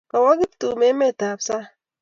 Kawo Kiptum emet ap sang'